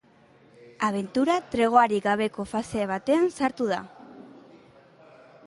Abentura tregoarik gabeko fase batean sartu da.